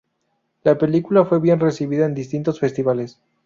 La película fue bien recibida en distintos festivales.